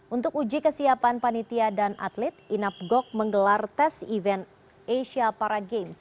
untuk uji kesiapan panitia dan atlet inap gok menggelar tes event asia para games